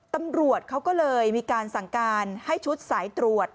ตำรวจเขาก็เลยมีการสั่งการให้ชุดสายตรวจ